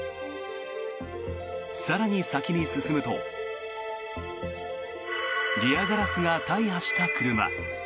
更に先に進むとリアガラスが大破した車。